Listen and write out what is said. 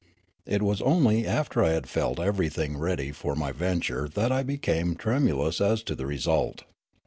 It was only after I had felt ever3 thing ready for my venture that I became tremulous as to the result.